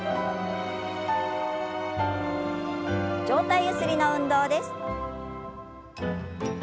上体ゆすりの運動です。